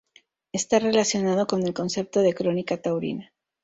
Está relacionado con el concepto de crónica taurina.